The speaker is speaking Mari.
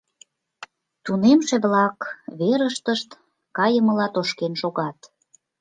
Тунемше-влак верыштышт кайымыла тошкен шогат.